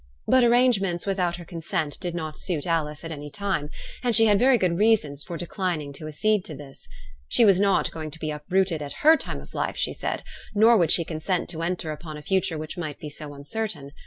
But arrangements without her consent did not suit Alice at any time, and she had very good reasons for declining to accede to this. She was not going to be uprooted at her time of life, she said, nor would she consent to enter upon a future which might be so uncertain.